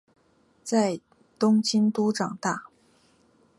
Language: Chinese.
在东京都长大。